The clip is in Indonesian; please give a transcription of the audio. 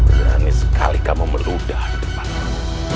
berani sekali kamu meludah di depanmu